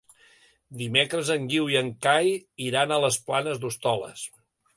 Dimecres en Guiu i en Cai iran a les Planes d'Hostoles.